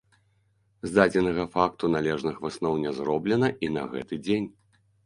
З дадзенага факту належных высноў не зроблена і на гэты дзень.